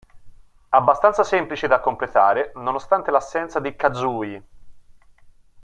Abbastanza semplice da completare, nonostante l'assenza di Kazooie.